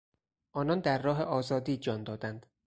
آنان در راه آزادی جان دادند.